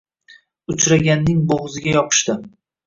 Uchraganning boʻgʻziga yopishdi